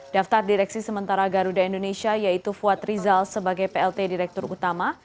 daftar direksi sementara garuda indonesia yaitu fuad rizal sebagai plt direktur utama